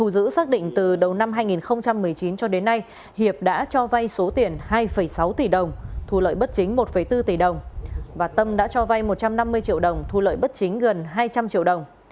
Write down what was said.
và tâm đã cho vay một trăm năm mươi triệu đồng thu lợi bất chính gần hai trăm linh triệu đồng